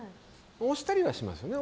推したりはしますね。